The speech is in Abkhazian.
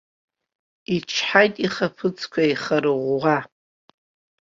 Ичҳаит ихаԥыцкәа еихарӷәӷәа.